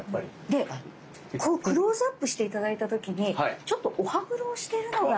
でこうクローズアップして頂いた時にちょっとお歯黒をしてるのが。